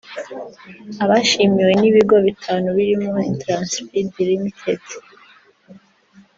Abashimiwe ni ibigo bitanu birimo Intraspeed Ltd